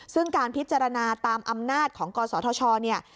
ซึ่งการพิจารณาตามอำนาจของกศธชเนี่ย